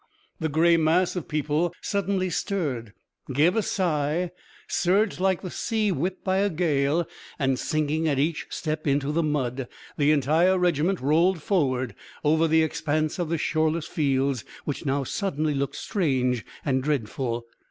The grey mass of people suddenly stirred, gave a sigh, surged like the sea whipped by a gale, and, sinking at each step into the mud, the entire regiment rolled forward, over the expanse of the shoreless fields which now suddenly looked strange and dreadful.